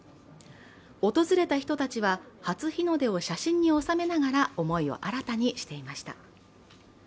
訪れた人たちは、初日の出を写真に収めながら思いを新たにしていました。